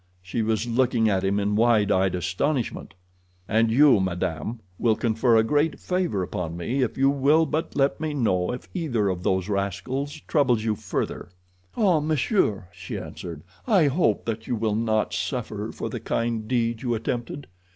She was looking at him in wide eyed astonishment. "And you, madame, will confer a great favor upon me if you will but let me know if either of those rascals troubles you further." "Ah, monsieur," she answered, "I hope that you will not suffer for the kind deed you attempted.